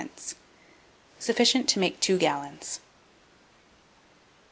Sufficient to make 2 gallons.